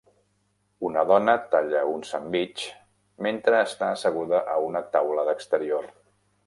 Una dona talla un sandvitx mentre està asseguda a una taula d'exterior.